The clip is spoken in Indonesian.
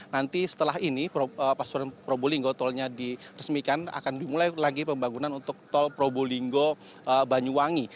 nanti setelah ini pasuruan probolinggo tolnya diresmikan akan dimulai lagi pembangunan untuk tol probolinggo banyuwangi